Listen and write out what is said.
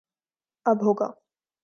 اب ہو گا